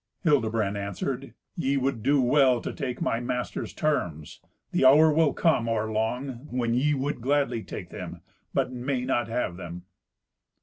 Hildebrand answered, "Ye would do well to take my master's terms; the hour will come, or long, when ye would gladly take them, but may not have them."